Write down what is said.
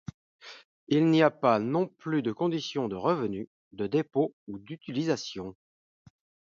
Il n'y a pas non plus de conditions de revenus, de dépôt, ou d'utilisation.